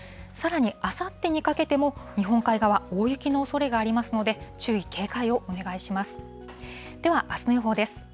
さらに、あさってにかけても日本海側、大雪のおそれがありますので、注意、警戒をお願いします。